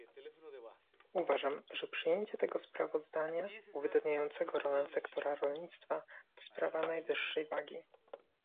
Uważam, że przyjęcie tego sprawozdania, uwydatniającego rolę sektora rolnictwa, to sprawa najwyższej wagi